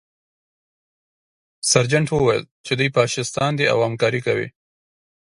سرجنټ وویل چې دوی فاشیستان دي او همکاري کوي